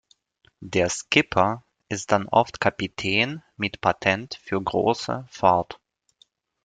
Der Skipper ist dann oft Kapitän mit Patent für große Fahrt.